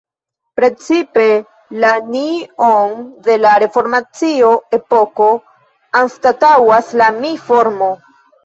Precipe la "ni"-on de la reformacio-epoko anstataŭas la "mi"-formo.